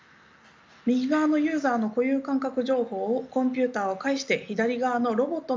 右側のユーザーの固有感覚情報をコンピューターを介して左側のロボットの体に伝えています。